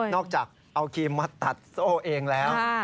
อกจากเอาครีมมาตัดโซ่เองแล้ว